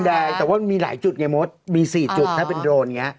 แดงแต่ว่ามันมีหลายจุดไงมดมี๔จุดถ้าเป็นโรนอย่างนี้